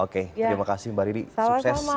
oke terima kasih mbak riri sukses